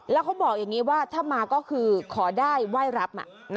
แล้วเขาบอกอย่างนี้ว่าถ้ามาก็คือขอได้ไหว้รับ